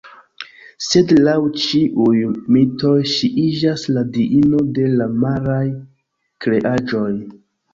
Sed laŭ ĉiuj mitoj ŝi iĝas la diino de la maraj kreaĵoj.